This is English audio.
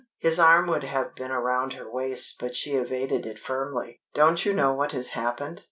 His arm would have been around her waist, but she evaded it firmly. "Don't you know what has happened?"